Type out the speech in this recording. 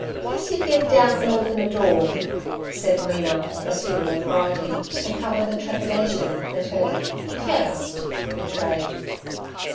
'Jhust you git down and open the door' said Mina, assuming authority to cover the trepidation that her 'jhust' betrayed.